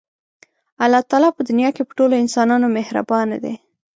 الله تعالی په دنیا کې په ټولو انسانانو مهربانه دی.